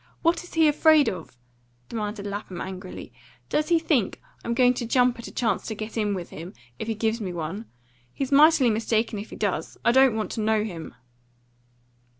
What is he afraid of?" demanded Lapham angrily. "Does he think I'm going to jump at a chance to get in with him, if he gives me one? He's mightily mistaken if he does. I don't want to know him."